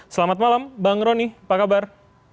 selamat malam bang rony apa kabar